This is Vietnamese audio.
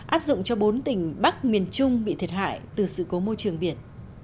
áp dụng cho bốn tỉnh bắc miền trung bị thiệt hại từ sự cố môi trường biển